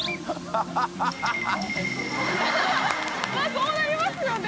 そうなりますよね。